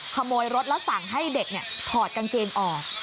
ขโมยรถแล้วสั่งให้เด็กถอดกางเกงออก